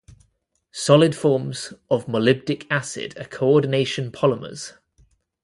Solid forms of molybdic acid are coordination polymers.